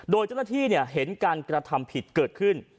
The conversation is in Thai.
โดยเจ้าหน้าที่เห็นการกระทำผิดเกิดขึ้น